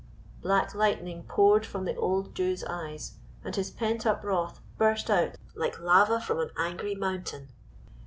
Black lightning poured from the old Jew's eyes, and his pent up wrath burst out like lava from an angry mountain.